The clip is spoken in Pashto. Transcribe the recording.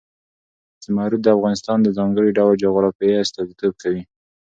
زمرد د افغانستان د ځانګړي ډول جغرافیه استازیتوب کوي.